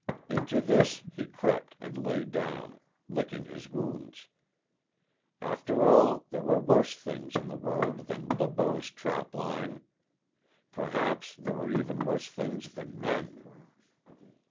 Into this he crept and lay down, licking his wounds. After all there were worse things in the world than Le Beau's trapline. Perhaps there were even worse things than men.